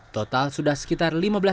total sudah sekitar lima belas